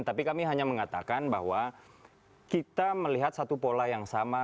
tapi kami hanya mengatakan bahwa kita melihat satu pola yang sama